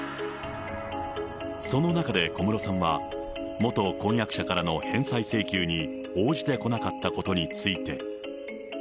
その中で小室さんは、元婚約者からの返済請求に応じてこなかったことについて。